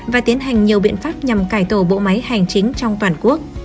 và tiến hành nhiều biện pháp nhằm cải tổ bộ máy hành chính trong toàn quốc